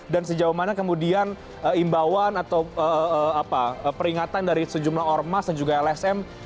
dan sejauh mana kemudian imbauan atau peringatan dari sejumlah ormas dan juga lsm